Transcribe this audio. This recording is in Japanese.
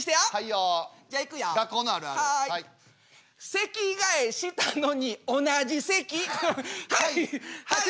席替えしたのに同じ席はいはい。